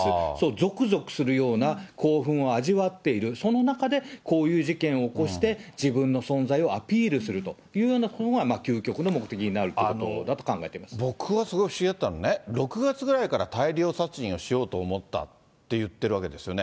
ぞくぞくするような興奮を味わっている、その中でこういう事件を起こして、自分の存在をアピールするというようなことが究極の目的になると僕はすごい不思議だったのはね、６月ぐらいから大量殺人をしようと思ったって言ってるわけですよね。